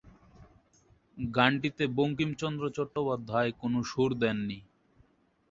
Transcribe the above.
গানটিতে বঙ্কিমচন্দ্র চট্টোপাধ্যায় কোনো সুর দেননি।